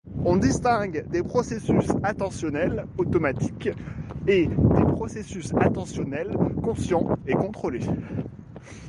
On distingue des processus attentionnels automatiques et des processus attentionnels conscients et contrôlés.